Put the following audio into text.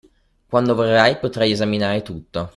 Quando vorrai, potrai esaminare tutto.